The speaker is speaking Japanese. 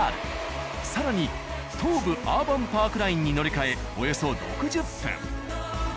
更に東武アーバンパークラインに乗り換えおよそ６０分。